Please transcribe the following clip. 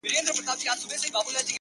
o نو نن؛